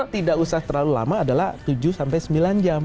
tidak usah terlalu lama adalah tujuh sampai sembilan jam